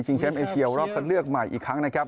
แชมป์เอเชียรอบคัดเลือกใหม่อีกครั้งนะครับ